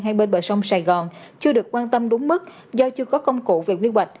hai bên bờ sông sài gòn chưa được quan tâm đúng mức do chưa có công cụ về quy hoạch